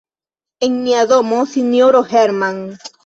En nia domo, sinjoro Hermann.